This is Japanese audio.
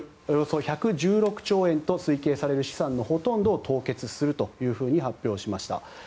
およそ１１６兆円と推計される資産のほとんどを凍結すると発表しました。